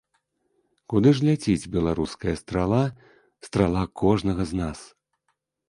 Куды ж ляціць беларуская страла, страла кожнага з нас?